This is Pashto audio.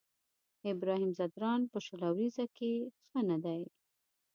ابراهيم ځدراڼ په شل اوريزو کې ښه نه دی.